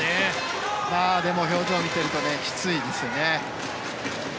でも表情を見ているときついですよね。